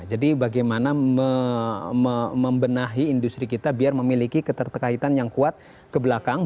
jadi bagaimana membenahi industri kita biar memiliki ketertekaitan yang kuat ke belakang